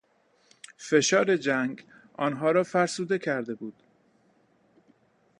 فشار جنگ آنها را فرسوده کرده بود.